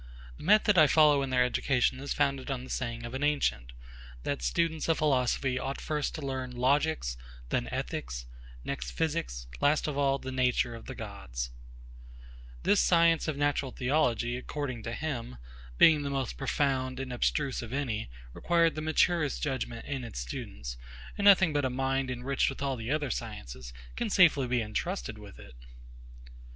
The method I follow in their education is founded on the saying of an ancient, "That students of philosophy ought first to learn logics, then ethics, next physics, last of all the nature of the gods." [Chrysippus apud Plut: de repug: Stoicorum] This science of natural theology, according to him, being the most profound and abstruse of any, required the maturest judgement in its students; and none but a mind enriched with all the other sciences, can safely be entrusted with it.